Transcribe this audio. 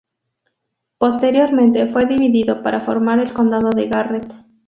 Posteriormente fue dividido para formar el condado de Garrett.